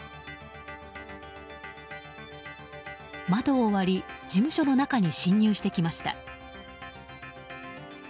窓を割り事務所の中に侵入してきました。